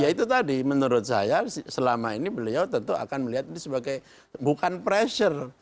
ya itu tadi menurut saya selama ini beliau tentu akan melihat ini sebagai bukan pressure